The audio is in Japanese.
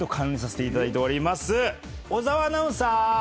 小澤アナウンサー！